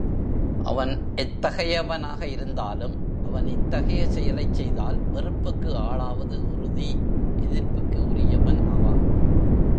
அவன் எத்தகையவனாக இருந்தாலும் அவன் இத்தகைய செயலைச் செய்தால் வெறுப்புக்கு ஆளாவது உறுதி எதிர்ப்புக்கு உரியவன் ஆவான்.